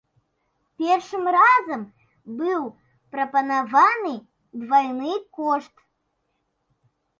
Першым разам быў прапанаваны двайны кошт.